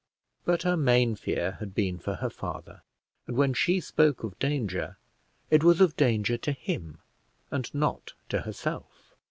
But her main fear had been for her father, and when she spoke of danger, it was of danger to him and not to herself.